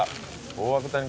大涌谷の。